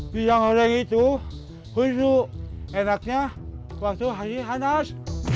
pisang orel itu justru enaknya waktu masih panas